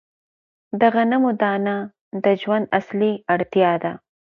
د غنمو دانه د ژوند اصلي اړتیا ده.